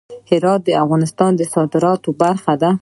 هرات د افغانستان د صادراتو برخه ده.